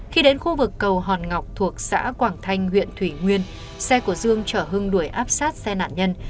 khi đến khu vực cầu hòn ngọc thuộc xã quảng thanh huyện thủy nguyên xe của dương chở hưng đuổi áp sát xe nạn nhân